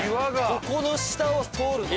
ここの下を通るの？